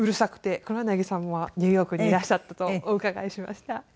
黒柳さんもニューヨークにいらっしゃったとお伺いしました。